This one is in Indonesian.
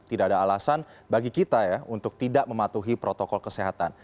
tidak ada alasan bagi kita ya untuk tidak mematuhi protokol kesehatan